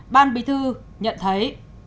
ban bí thư nhận thấy